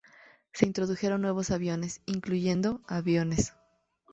Se introdujeron nuevos aviones, incluyendo aviones.